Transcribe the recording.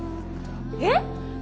えっ！？